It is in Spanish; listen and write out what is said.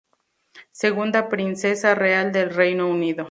Segunda Princesa Real del Reino Unido.